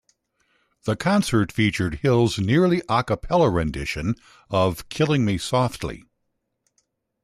The concert featured Hill's nearly a cappella rendition of "Killing Me Softly".